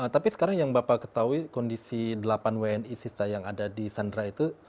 tapi sekarang yang bapak ketahui kondisi delapan wni sisa yang ada di sandra itu